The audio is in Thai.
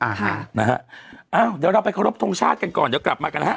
ค่ะนะฮะอ้าวเดี๋ยวเราไปเคารพทงชาติกันก่อนเดี๋ยวกลับมากันนะฮะ